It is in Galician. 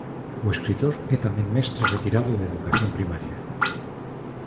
O escritor é tamén mestre retirado de Educación Primaria.